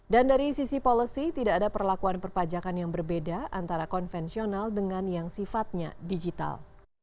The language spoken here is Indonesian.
dan dari sisi policy tidak ada perlakuan perpajakan yang berbeda antara konvensional dengan yang sifatnya digital